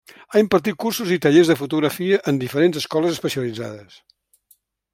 Ha impartit cursos i tallers de fotografia en diferents escoles especialitzades.